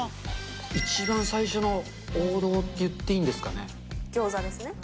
一番最初の王道って言っていギョーザですね。